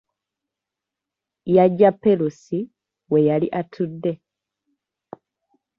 Yaggya Perusi we yali atudde.